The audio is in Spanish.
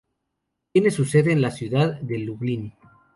Tiene su sede en la ciudad de Lublin.